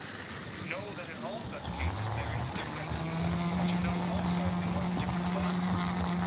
You know that in all such cases there is a difference, and you know also in what the difference lies?